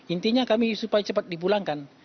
intinya kami supaya cepat dipulangkan